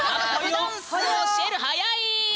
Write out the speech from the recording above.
「ダンスを教える」はやい！